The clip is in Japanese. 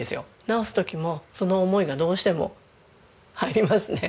直す時もその思いがどうしても入りますね。